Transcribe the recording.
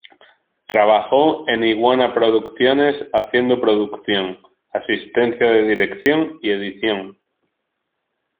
Trabajó en Iguana Producciones haciendo producción, asistencia de dirección y edición.